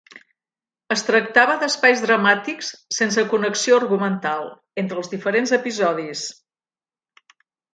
Es tractava d'espais dramàtics sense connexió argumental entre els diferents episodis.